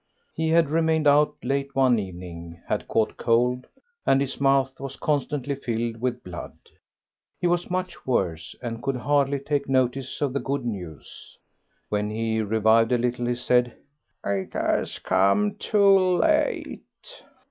He had remained out late one evening, had caught cold, and his mouth was constantly filled with blood. He was much worse, and could hardly take notice of the good news. When he revived a little he said, "It has come too late."